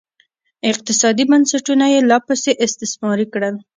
اقتصادي بنسټونه یې لاپسې استثماري کړل